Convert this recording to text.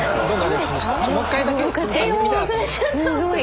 すごい。